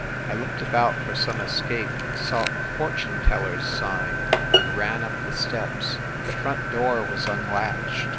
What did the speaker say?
... I looked about for some escape, saw a fortune teller s sign, and ran up the steps. The front door was unlatched.